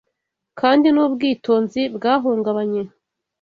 kandi nubwitonzi bwahungabanye